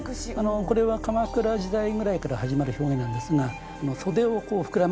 これは鎌倉時代ぐらいから始まる表現なんですが。